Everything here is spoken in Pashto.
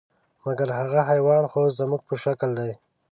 مګر هغه حیوان خو زموږ په شکل دی .